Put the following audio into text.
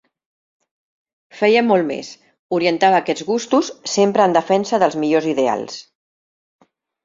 Feia molt més: orientava aquests gustos, sempre en defensa dels millors ideals.